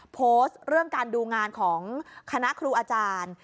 โพสต์เรื่องการดูงานของคณะครูอาจารย์